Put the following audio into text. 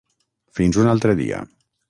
Fins un altre dia.